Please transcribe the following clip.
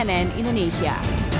mengucapkan terima kasih